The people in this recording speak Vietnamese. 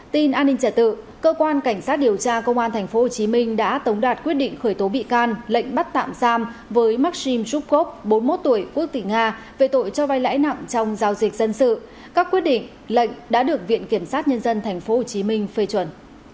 tin an ninh trả tự cơ quan cảnh sát điều tra công an tp hcm đã tống đạt quyết định khởi tố bị can lệnh bắt tạm giam với maxim jokov bốn mươi một tuổi quốc tỉnh nga về tội cho vai lãi nặng trong giao dịch dân sự các quyết định lệnh đã được viện kiểm sát nhân dân tp hcm phê chuẩn